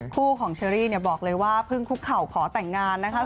ขุวของเชลลี่บอกเลยว่าเพิ่งคุกเข่าขอแต่งงานนะครับ